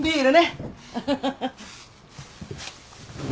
ハハハハ。